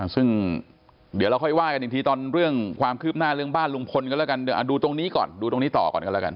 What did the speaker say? ซึ่งเดี๋ยวเราค่อยว่ากันอีกทีตอนเรื่องความคืบหน้าเรื่องบ้านลุงพลกันแล้วกันเดี๋ยวดูตรงนี้ก่อนดูตรงนี้ต่อก่อนกันแล้วกัน